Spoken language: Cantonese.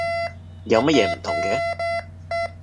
有乜嘢唔同嘅？